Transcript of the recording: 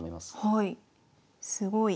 はい。